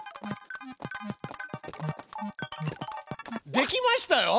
できましたよ！